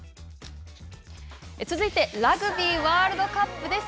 続いてラグビーワールドカップです。